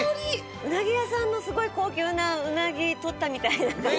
うなぎ屋さんのすごい高級なうなぎ取ったみたい。